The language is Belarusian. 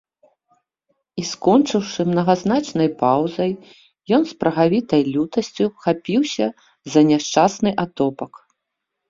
І, скончыўшы мнагазначнай паўзай, ён з прагавітай лютасцю хапіўся за няшчасны атопак.